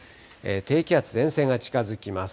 低気圧、前線が近づきます。